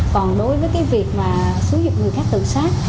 còn đối với việc xử dụng người khác tự sát